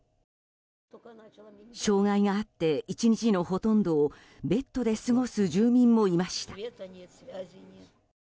障害があって、１日のほとんどをベッドで過ごす住民もいました。